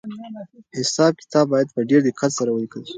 حساب کتاب باید په ډېر دقت سره ولیکل شي.